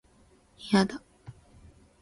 いやだ